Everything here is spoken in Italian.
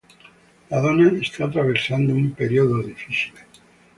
La donna sta attraversando un periodo difficile.